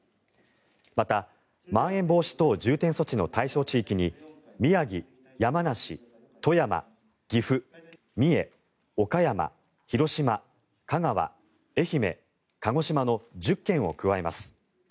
また、まん延防止等重点措置の対象地域に宮城、山梨、富山、岐阜三重、岡山、広島、香川愛媛、鹿児島の１０県を加えます。